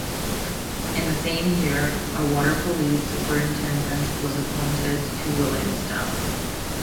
In that same year a water police superintendent was appointed to Williamstown.